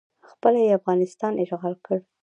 خپله یې افغانستان اشغال کړ